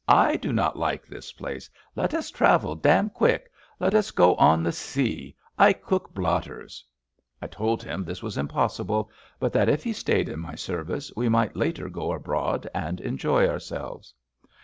I do not like this place. Let us travel dam quick. Let us go on the sea. I cook blot ters.*' I told him this was impossible, but that if he stayed in my service we might later go abroad and enjoy ourselves.